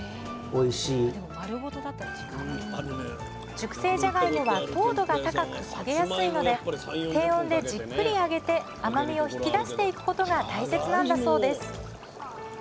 熟成じゃがいもは糖度が高く焦げやすいので低温でじっくり揚げて甘みを引き出していくことが大切なんだそうです